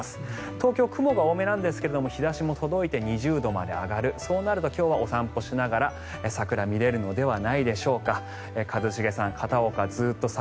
東京、雲が多めなんですが日差しも届いて２０度まで上がるそうなると今日はお散歩しながら桜、見れるのではないでしょうか一茂さん、片岡、ずっと桜